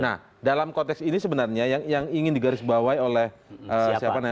nah dalam konteks ini sebenarnya yang ingin digarisbawahi oleh siapa namanya